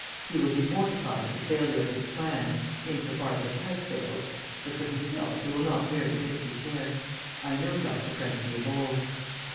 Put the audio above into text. He will be mortified at the failure of his plan in so far as it has failed but for himself he will not very greatly care. I know Dr. Franchi of old."